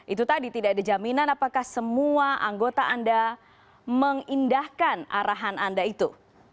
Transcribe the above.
itu tadi tidak ada jaminan apakah semua anggota anda mengindahkan arahan anda itu